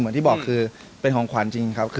ที่บอกคือเป็นของขวัญจริงครับ